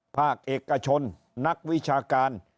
ภาคเอกชนนักวิชาการ